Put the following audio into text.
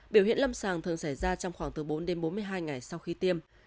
biểu hiện lâm sàng thường xảy ra trong khoảng từ bốn đến bốn mươi hai ngày sau khi tiêm